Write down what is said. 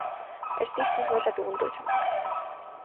Арьсыг чинь хуулаад өгнө дөө чамайг.